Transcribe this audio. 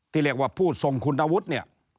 ที่เรียกว่าผู้ทรงคุณวุฒิเนี่ย